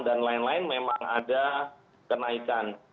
dan lain lain memang ada kenaikan